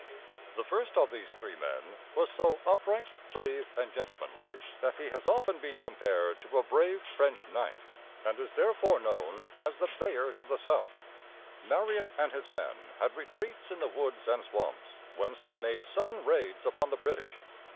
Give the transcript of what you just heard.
The first of these three men was so upright, brave, and gentlemanly that he has often been compared to a brave French knight, and is therefore known as the "Bay´ard of the South." Marion and his men had retreats in the woods and swamps, whence they made sudden raids upon the British.